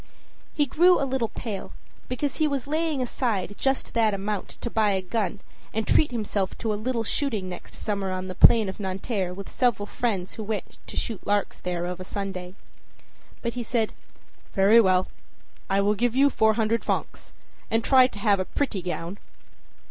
â He grew a little pale, because he was laying aside just that amount to buy a gun and treat himself to a little shooting next summer on the plain of Nanterre, with several friends who went to shoot larks there of a Sunday. But he said: âVery well. I will give you four hundred francs. And try to have a pretty gown.